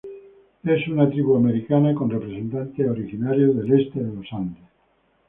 Es una tribu americana con representantes originarios del este de Los Andes.